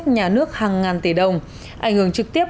ngàn tỷ đồng ảnh hưởng trực tiếp